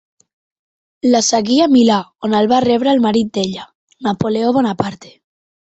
La seguí a Milà on el va rebre el marit d'ella, Napoleó Bonaparte.